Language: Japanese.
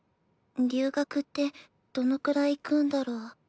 留学ってどのくらい行くんだろう？